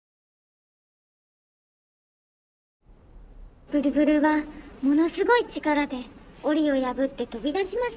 「ブルブルはものすごいちからでおりをやぶってとびだしました。